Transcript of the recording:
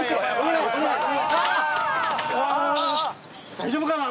大丈夫かな？